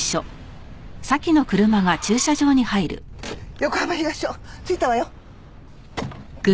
横浜東署着いたわよ。